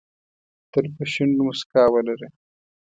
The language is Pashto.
تل په شونډو موسکا ولره .